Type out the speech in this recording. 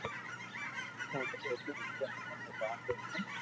تو ۾ سوچيو ڪي مني آج رات رو ھي